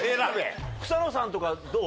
草野さんとかどう？